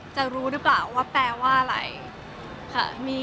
จะรู้หรือเปล่าว่าแปลว่าอะไรค่ะ